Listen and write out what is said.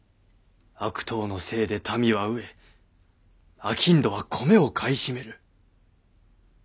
悪党のせいで民は飢え商人は米を買い占める。